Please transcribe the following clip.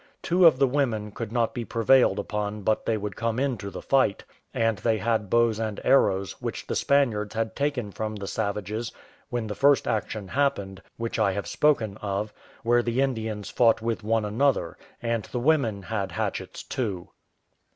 Two of the women could not be prevailed upon but they would come into the fight, and they had bows and arrows, which the Spaniards had taken from the savages when the first action happened, which I have spoken of, where the Indians fought with one another; and the women had hatchets too.